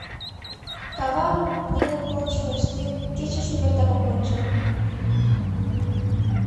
Кавам неле пыл шойыштен, кече шукертак ок ончо.